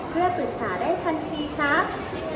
เพื่อปรึกษาได้ทันทีครับ